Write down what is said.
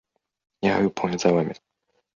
你还有朋友在外面？